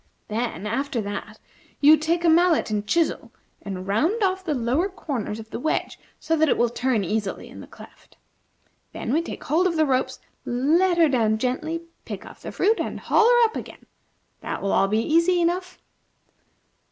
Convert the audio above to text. Then, after that, you take a mallet and chisel and round off the lower corners of the wedge, so that it will turn easily in the cleft. Then we take hold of the ropes, let her down gently, pick off the fruit, and haul her up again. That will all be easy enough."